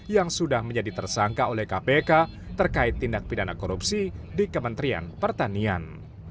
yang sudah menjadi tersangka oleh kpk terkait tindak pidana korupsi di kementerian pertanian